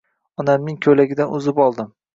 Onamning ko'ylagidan uzib oldim.